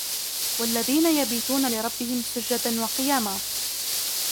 والذين يبيتون لربهم سجدا وقياما